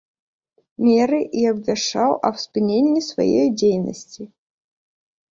Меры, і абвяшчаў аб спыненне сваёй дзейнасці.